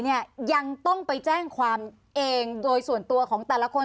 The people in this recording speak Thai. เนี่ยยังต้องไปแจ้งความเองโดยส่วนตัวของแต่ละคน